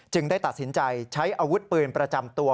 ได้ตัดสินใจใช้อาวุธปืนประจำตัว